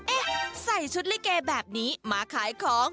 เอ๊ะใส่ชุดลิเกแบบนี้มาขายของ